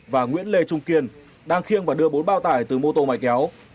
và nguyễn lê trung kiên đang khiêng và đưa bốn bao tải từ mô tô ngoại kéo